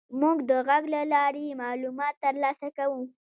موږ د غږ له لارې معلومات تر لاسه کوو.